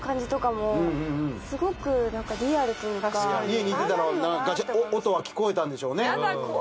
家にいてたら音聞こえたんでしょうね。